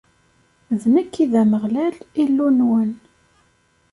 D nekk i d Ameɣlal, Illu-nwen.